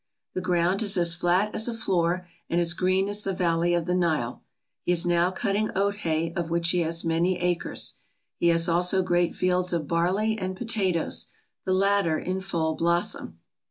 The ground is as flat as a floor and as green as the valley of the Nile. He is now cutting oat hay, of which he has many acres. He has also great fields of barley and potatoes, the latter in full blossom.